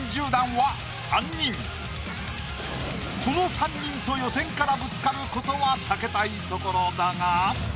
この３人と予選からぶつかることは避けたいところだが。